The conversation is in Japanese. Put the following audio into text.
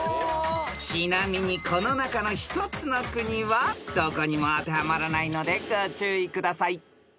［ちなみにこの中の１つの国はどこにも当てはまらないのでご注意ください］